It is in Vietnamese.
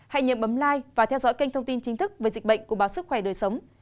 hãy nhớ bấm like và theo dõi kênh thông tin chính thức về dịch bệnh của báo sức khỏe đời sống